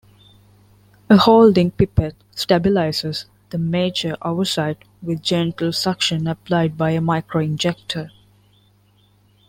A holding pipette stabilizes the mature oocyte with gentle suction applied by a microinjector.